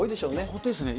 本当ですね。